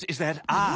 ああ。